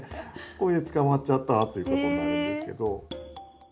これで捕まっちゃったっていうことになるんですけど。